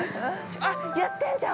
◆あ、やってんじゃん。